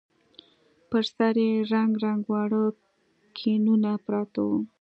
پر سر يې رنګ رنګ واړه ګېنونه پراته وو.